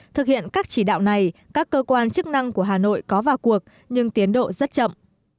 thực hiện các chỉ đạo này các cơ quan chức năng của hà nội có vào cuộc nhưng tiến độ rất chậm